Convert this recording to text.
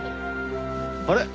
あれ？